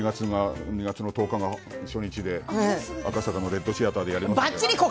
２月１０日が初日で赤坂のレッドシアターでやるので。